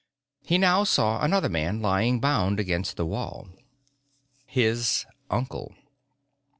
he now saw another man lying bound against the wall. His uncle.